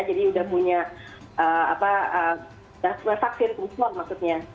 jadi sudah punya apa vaksin paspor maksudnya